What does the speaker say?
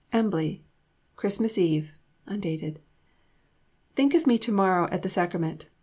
_) EMBLEY, Christmas Eve [undated]. Think of me to morrow at the Sacrament.